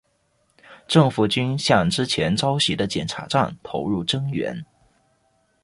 政府军向之前遭袭的检查站投入增援。